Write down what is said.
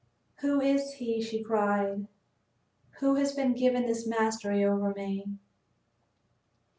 "Who is he," she cried, "who has been given this mastery over me?"